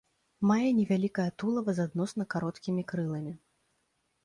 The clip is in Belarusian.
Мае невялікае тулава з адносна кароткімі крыламі.